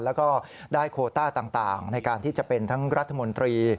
แล้วก็ได้โคต้าต่างในการที่จะเป็นทั้งรัฐมนตรี